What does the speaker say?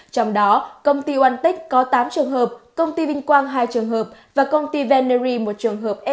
trong đó công ty onetech có tám trường hợp công ty vinh quang hai trường hợp và công ty veneri một trường hợp f nghi ngờ